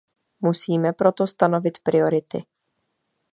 Musíme proto stanovit priority.